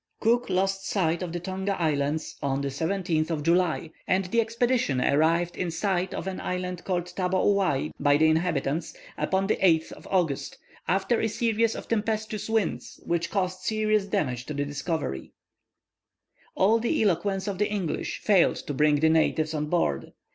Cook lost sight of the Tonga Islands on the 17th of July, and the expedition arrived in sight of an island called Tabouai by the inhabitants, upon the 8th of August, after a series of tempestuous winds which caused serious damage to the Discovery. All the eloquence of the English failed to bring the natives on board.